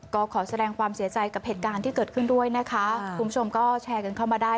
ก็ขอแสดงความเสียใจกับเหตุการณ์ที่เกิดขึ้นด้วยนะคะคุณผู้ชมก็แชร์กันเข้ามาได้